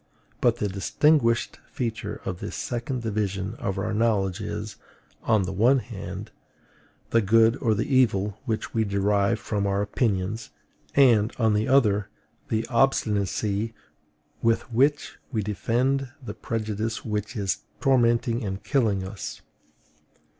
But the distinguishing feature of this second division of our knowledge is, on the one hand, the good or the evil which we derive from our opinions; and, on the other, the obstinacy with which we defend the prejudice which is tormenting and killing us.